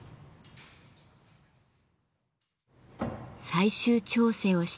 最終調整をしています。